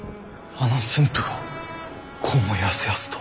あの駿府がこうもやすやすと。